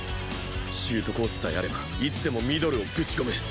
シュートコースさえあればいつでもミドルをぶち込む！